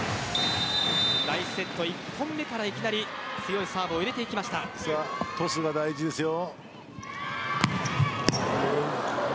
第１セット１本目からいきなり強いサーブをトスが大事ですよ。